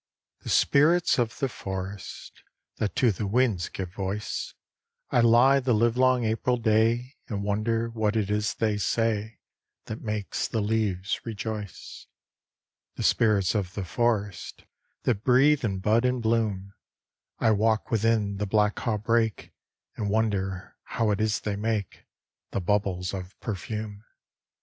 The spirits of the forest, That to the winds give voice I lie the livelong April day And wonder what it is they say That makes the leaves rejoice. The spirits of the forest, That breathe in bud and bloom I walk within the black haw brake And wonder how it is they make The bubbles of perfume.